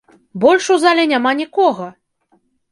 Больш у зале няма нікога!